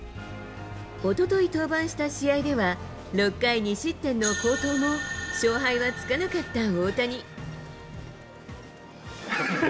おととい登板した試合では、６回２失点の好投も、勝敗はつかなかった大谷。